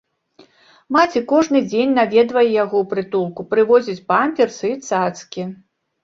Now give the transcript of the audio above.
Маці кожны дзень наведвае яго ў прытулку, прывозіць памперсы і цацкі.